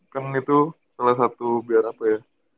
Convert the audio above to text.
kan itu salah satu biar apa ya